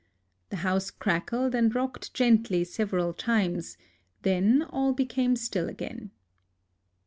The house crackled and rocked gently several times ; then all became still again.